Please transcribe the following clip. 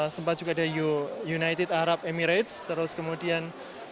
sempat juga ada united arab emirates terus kemudian